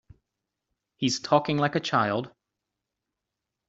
He's talking like a child.